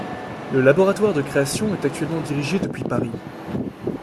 Le laboratoire de création est actuellement dirigé depuis Paris.